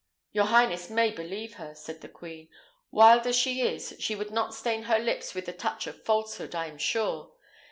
"Your highness may believe her," said the queen; "wild as she is, she would not stain her lips with the touch of falsehood, I am sure.